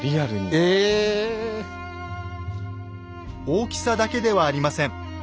大きさだけではありません。